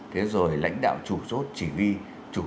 thế rồi lãnh đạo chủ chốt chỉ huy